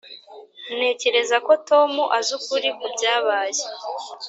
ntekereza ko tom azi ukuri kubyabaye.